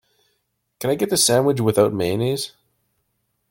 Can I get the sandwich without mayonnaise?